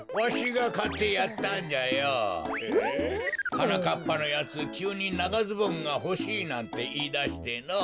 はなかっぱのやつきゅうにながズボンがほしいなんていいだしてのぉ。